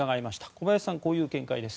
小林さんはこういう見解です。